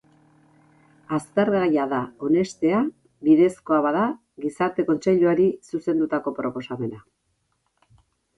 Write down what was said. Aztergaia da onestea, bidezkoa bada, Gizarte Kontseiluari zuzendutako proposamena.